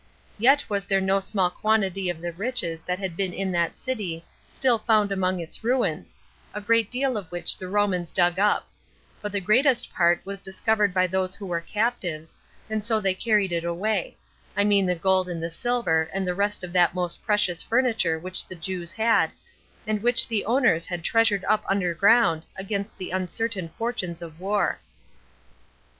Yet was there no small quantity of the riches that had been in that city still found among its ruins, a great deal of which the Romans dug up; but the greatest part was discovered by those who were captives, and so they carried it away; I mean the gold and the silver, and the rest of that most precious furniture which the Jews had, and which the owners had treasured up under ground, against the uncertain fortunes of war.